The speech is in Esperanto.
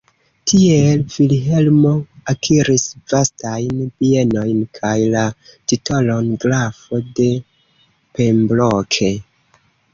Tiel Vilhelmo akiris vastajn bienojn kaj la titolon "grafo de Pembroke".